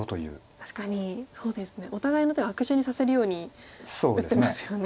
確かにそうですねお互いの手を悪手にさせるように打ってますよね。